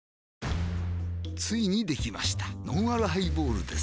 ついにできましたのんあるハイボールです